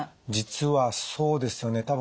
実はそうですよね。